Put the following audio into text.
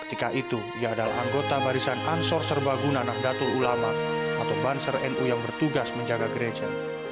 ketika itu ia adalah anggota barisan ansor serbaguna nahdlatul ulama atau banser nu yang bertugas menjaga gereja